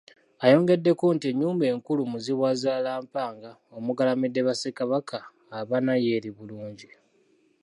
Ayongeddeko nti yo ennyumba enkulu Muzibwazaalampanga omugalamidde ba Ssekabaka abana yo eri bulungi.